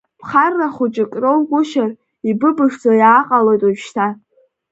Ԥхарра хәыҷык роугәышьар, ибыбышӡа иааҟалоит уажәшьҭа.